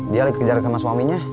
dia lagi kejar dengan suaminya